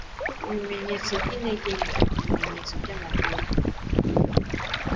Ibimenyetso byintege nke, ibimenyetso byamagorwa.